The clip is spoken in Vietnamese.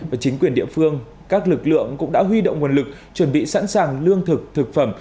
và chính quyền địa phương các lực lượng cũng đã huy động nguồn lực chuẩn bị sẵn sàng lương thực thực phẩm